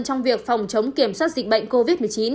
trong việc phòng chống kiểm soát dịch bệnh covid một mươi chín